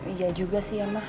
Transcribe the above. iya juga sih mbak